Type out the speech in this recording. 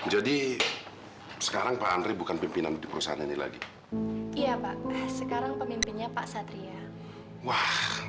jadi sekarang pak andri bukan pimpinan di perusahaan ini lagi iya sekarang pemimpinnya pak satria wah